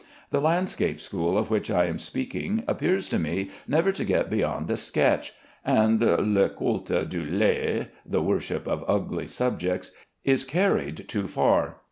The landscape school of which I am speaking appears to me never to get beyond a sketch, and le culte du laid (the worship of ugly subjects) is carried too far.